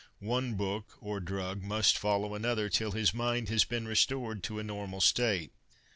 One book, or drug, must follow another, till his mind has been restored to a normal state.